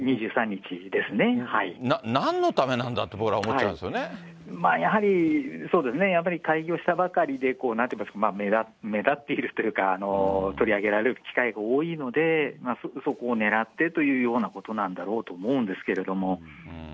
なんのためなんだって、僕ら、まあ、やはりそうですね、やっぱり開業したばかりで、なんと言いますか、目立っていると言いますか、取り上げられる機会が多いので、そこをねらってというようなことなんだろうと思うんですけれども。